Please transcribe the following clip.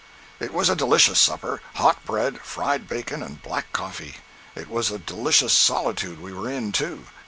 It was a delicious supper—hot bread, fried bacon, and black coffee. It was a delicious solitude we were in, too.